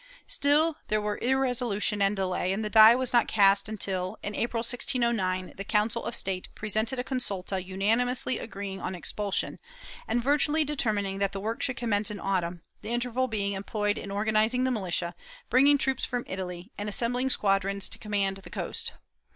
^ Still there were irresolution and delay, and the die was not cast until, in April, 1609, the Council of State presented a consulta unanimously agreeing on expulsion and virtually determining that the work should commence in autumn, the interval being employed in organizing the militia, bringing troops from Italy, and assembling squadrons to command the coast.